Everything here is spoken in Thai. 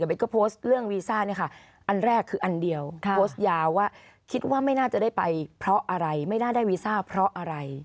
เบสก็โพสต์เรื่องวีซ่าเนี่ยค่ะอันแรกคืออันเดียวโพสต์ยาวว่าคิดว่าไม่น่าจะได้ไปเพราะอะไรไม่น่าได้วีซ่าเพราะอะไร